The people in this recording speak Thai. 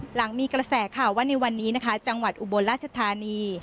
หลังมีกระแสข่าวว่าในวันนี้นะคะจังหวัดอุบลราชธานี